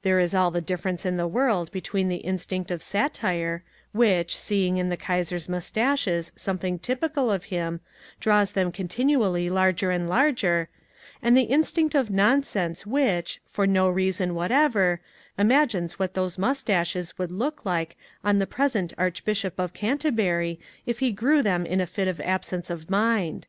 There is all the difference in the world between the instinct of satire, which, seeing in the Kaiser's moustaches some thing typical of him, draws them continu ally larger and larger; and the instinct of nonsense which, for no reason whatever, imagines what those moustaches would look like on the present Archbishop of Canterbury if he grew them in a fit of ab sence of mind.